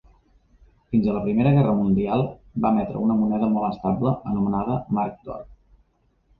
Fins a la Primera Guerra Mundial, va emetre una moneda molt estable anomenada marc d'or.